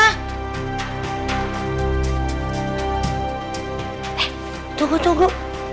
eh tunggu tunggu